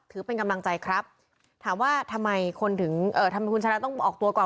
เป็นกำลังใจครับถามว่าทำไมคนถึงเอ่อทำไมคุณชนะต้องออกตัวก่อน